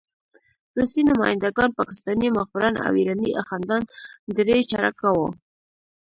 روسي نماینده ګان، پاکستاني مخبران او ایراني اخندان درې چارکه وو.